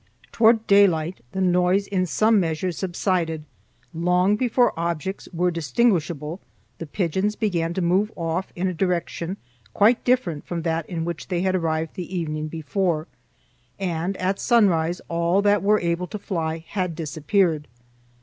BAROMETER BAROMETER Invented by the author in his boyhoodToList "Toward daylight the noise in some measure subsided; long before objects were distinguishable the pigeons began to move off in a direction quite different from that in which they had arrived the evening before, and at sunrise all that were able to fly had disappeared.